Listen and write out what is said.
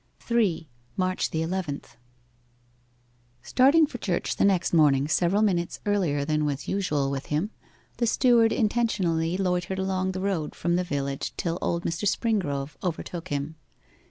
3. MARCH THE ELEVENTH Starting for church the next morning several minutes earlier than was usual with him, the steward intentionally loitered along the road from the village till old Mr. Springrove overtook him.